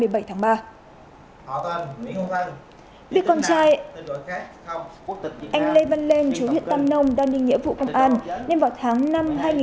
việc con trai anh lê văn lên chú huyện tăm nông đang đi nghĩa vụ công an nên vào tháng năm hai nghìn một mươi năm